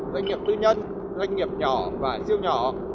doanh nghiệp tư nhân doanh nghiệp nhỏ và siêu nhỏ